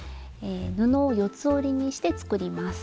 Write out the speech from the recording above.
布を四つ折りにして作ります。